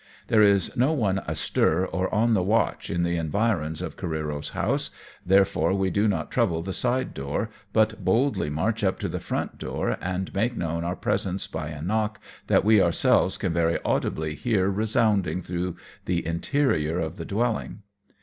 There is no one astir or on the watch, in the environs of Careero's house, therefore we do not trouble the side door, but boldly march up to the front door and make known our presence by a knock that LAND IN A GALE AT CAREERO'S. 271 we ourselves can very audibly hear resounding through the interior of the dwelling.